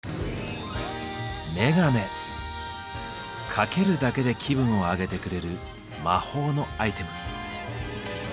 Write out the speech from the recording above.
かけるだけで気分を上げてくれる「魔法のアイテム」。